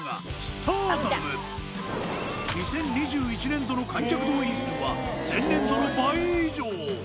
２０２１年度の観客動員数は前年度の倍以上。